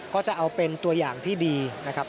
ก็จะเอาเป็นตัวอย่างที่ดีนะครับ